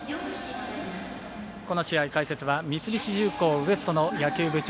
この試合、解説は三菱重工Ｗｅｓｔの野球部部長